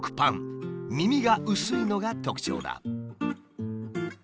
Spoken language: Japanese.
耳が薄いのが特徴だ。